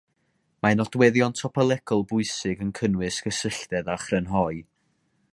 Mae nodweddion topolegol pwysig yn cynnwys cysylltedd a chrynhoi.